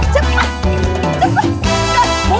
จับไป